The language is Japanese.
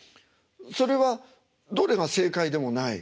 それはどれが正解でもない。